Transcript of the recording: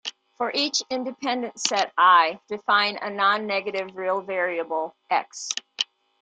For each independent set "I", define a nonnegative real variable "x".